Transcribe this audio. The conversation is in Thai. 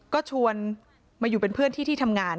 ก็ชวนมาอยู่เป็นเพื่อนที่ที่ทำงาน